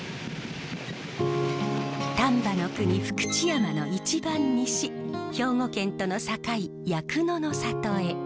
丹波の国福知山の一番西兵庫県との境夜久野の里へ。